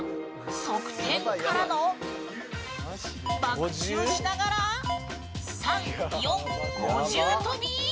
側転からのバク宙しながら３、４、５重跳び！